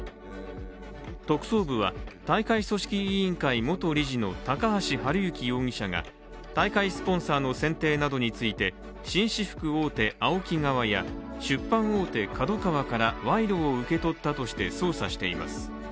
特捜部は大会組織委員会元理事の高橋治之容疑者が大会スポンサーの選定などについて紳士服大手・ＡＯＫＩ側などや出版大手・ＫＡＤＯＫＡＷＡから賄賂を受け取ったとして捜査しています。